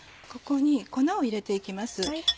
ここに粉を入れて行きます。